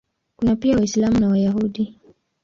Kuna pia Waislamu na Wayahudi.